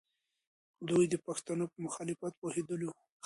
دوی د پښتنو په مخالفت پوهېدلې وو.